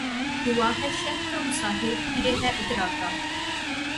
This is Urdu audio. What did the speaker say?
ہوا ہے شہہ کا مصاحب پھرے ہے اتراتا